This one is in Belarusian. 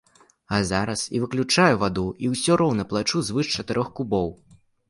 А зараз і выключаю ваду, і ўсё роўна плачу звыш чатырох кубоў.